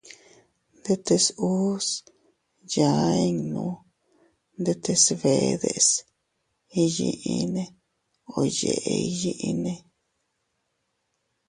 Ndetes uus yaa innu ndetes bee deʼes iyyinne o yeʼe iyinne.